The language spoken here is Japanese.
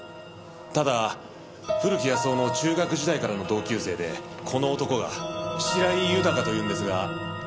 ただ古木保男の中学時代からの同級生でこの男が白井豊というんですが以前車の整備